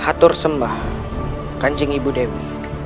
hatur sembah kanjeng ibu dewi